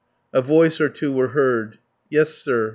A voice or two were heard: "Yes, sir.